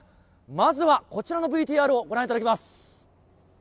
まずはこちらのＶＴＲをご覧いただきます。